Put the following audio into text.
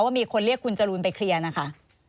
มีคนเรียกคุณจรูนไปเคลียร์นะคะ